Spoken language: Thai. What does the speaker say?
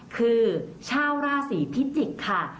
คือชาวราศีพิจิกษ์ค่ะ